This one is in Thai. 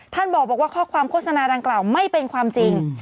ท่านบอกว่าข้อความโฆษณาดังกล่าวไม่เป็นความจริง